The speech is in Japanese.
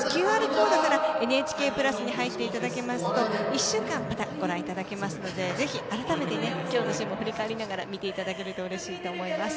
ＱＲコードからＮＨＫプラスに入っていただきますと１週間またご覧いただけますのでぜひ改めて今日のシーンも振り返りながら見ていただけるとうれしいと思います。